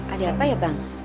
ada apa ya bang